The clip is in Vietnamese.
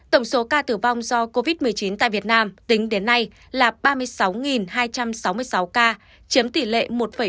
tổng số ca tử vong do covid một mươi chín tại việt nam tính đến nay là ba mươi sáu hai trăm sáu mươi sáu ca chiếm tỷ lệ một ba